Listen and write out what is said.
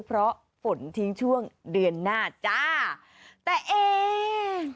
เพราะฝนทิ้งช่วงเดือนหน้าจ้าแต่เอง